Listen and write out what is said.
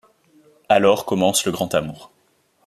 Alors commence le grand amour.